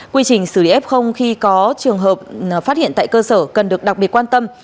quy trình xử lý f khi có trường hợp phát hiện tại cơ sở cần được đặc biệt quan tâm